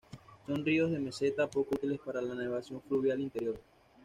Son ríos de meseta, poco útiles para la navegación fluvial interior.